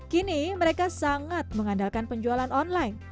kini mereka sangat mengandalkan penjualan online